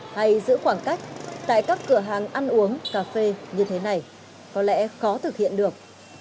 hay giữ khoảng cách tại các cửa hàng ăn uống cà phê như thế này có lẽ khó thực hiện được